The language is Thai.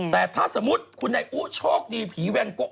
แต่ถ้าสมมุติคุณนายอุ๊โชคดีผีแวนโก้